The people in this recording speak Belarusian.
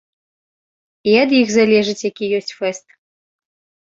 І ад іх залежыць, які ёсць фэст.